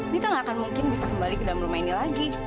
kita gak akan mungkin bisa kembali ke dalam rumah ini lagi